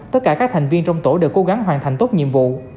tất cả các thành viên trong tổ đều cố gắng hoàn thành tốt nhiệm vụ